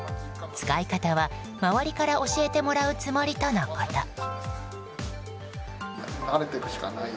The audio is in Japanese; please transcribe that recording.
使い方は、周りから教えてもらうつもりとのこと。